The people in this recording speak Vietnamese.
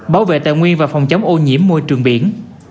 bảo vệ tài nguyên và phòng chống ô nhiễm môi trường biển